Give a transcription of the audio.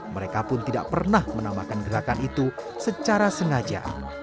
mereka pun tidak pernah menamakan gerakan itu secara sengaja